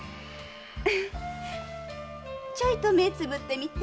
ちょいと目つぶってみて。